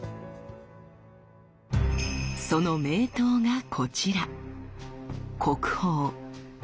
その名刀がこちら。